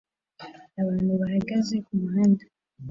Abantu bahagaze kumuhanda